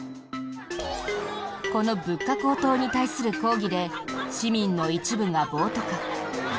この物価高騰に対する抗議で市民の一部が暴徒化。